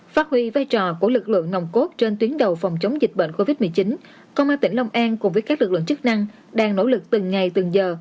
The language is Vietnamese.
phát huy vai trò của lực lượng nồng cốt trên tuyến đầu phòng chống dịch bệnh covid một mươi chín công an tỉnh long an cùng với các lực lượng chức năng đang nỗ lực từng ngày từng giờ